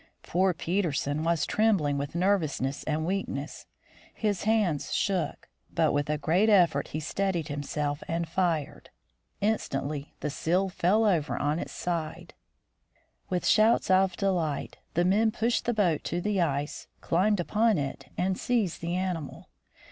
Poor Peterson was trembling with nervousness and weak ness. His hands shook, but with a great effort he steadied himself and fired. Instantly the seal fell over on its side. HOME AGAIN 55 With shouts of delight the men pushed the boat to the ice, climbed upon it, and seized the animal.